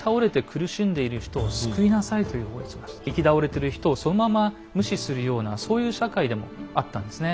あとは行き倒れてる人をそのまま無視するようなそういう社会でもあったんですね。